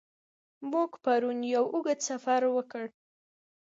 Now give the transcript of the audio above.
موږ پرون یو اوږد سفر وکړ.